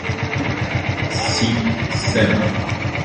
Sci., Ser.